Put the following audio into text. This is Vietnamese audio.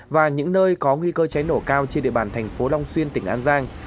và những nơi có nguy cơ cháy nổ cao trên địa bàn thành phố long xuyên tỉnh an giang